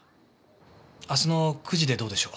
明日の９時でどうでしょう？